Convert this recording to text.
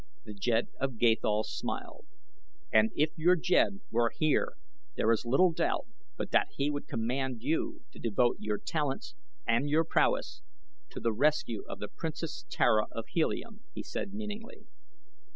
The Jed of Gathol smiled. "And if your Jed were here there is little doubt but that he would command you to devote your talents and your prowess to the rescue of the Princess Tara of Helium," he said, meaningly.